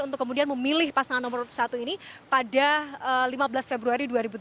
untuk kemudian memilih pasangan nomor satu ini pada lima belas februari dua ribu tujuh belas